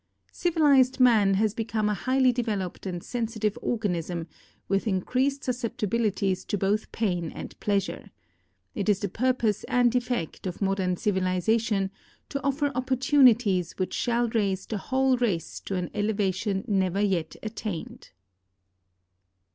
Civilized man has become a highly developed and sensitive organism, with in creased susceptibilities to both pain and pleasure. It is the pur pose and effect of modern civilization to offer opportunities which shall raise the whole race to an elevation never yet attained.